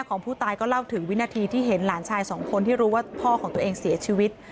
ของผู้ตายก็เล่าถึงวินาทีที่เห็นหลานชายสองคนที่รู้ว่าพ่อของตัวเองเสียชีวิต